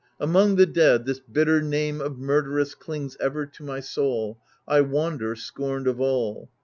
— "Among the dead, this bitter name of murderess clings ever to my soul ; I wander scorned of all."